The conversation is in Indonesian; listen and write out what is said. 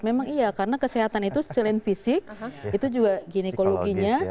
memang iya karena kesehatan itu selain fisik itu juga ginekologinya